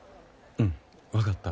うん分かった。